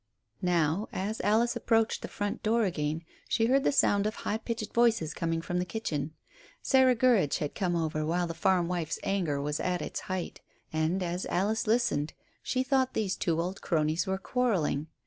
Now, as Alice approached the front door again, she heard the sound of high pitched voices coming from the kitchen. Sarah Gurridge had come over while the farm wife's rage was at its height; and, as Alice listened, she thought that these two old cronies were quarrelling.